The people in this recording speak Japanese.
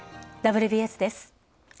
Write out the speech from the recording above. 「ＷＢＳ」です。